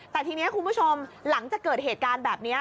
แต่ทีนี้คุณผู้ชมหลังจากเกิดเหตุการณ์แบบนี้